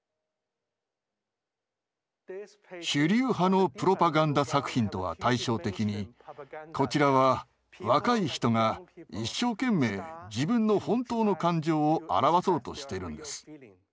主流派のプロパガンダ作品とは対照的にこちらは若い人が一生懸命自分の本当の感情を表そうとしてるんです。